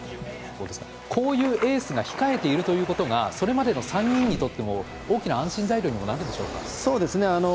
こういうエースが控えているということがそれまでの３人にとっても大きな安心材料にもなるんでしょうか？